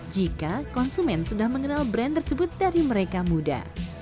jika konsumen sudah mengenal brand tersebut dari mereka muda